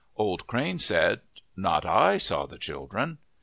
Old Crane said, "Not I saw the children."